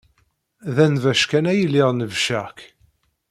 D anbac kan ay lliɣ nebbceɣ-k.